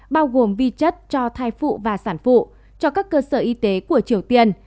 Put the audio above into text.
bao gồm vi chất cho thai phụ và sản phụ cho các cơ sở y tế của triều tiên